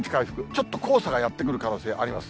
ちょっと黄砂がやってくる可能性あります。